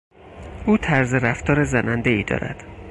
او طرز رفتار زنندهای دارد.